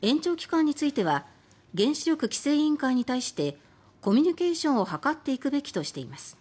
延長期間については原子力規制委員会に対してコミュニケーションを図っていくべきとしています。